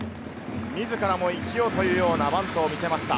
自らも生きようというようなバントを見せました。